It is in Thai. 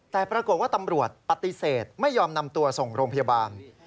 แต่ปรากฏว่าตำรวจปฏิเสธไม่ยอมนำตัวส่งโรงพยาบาล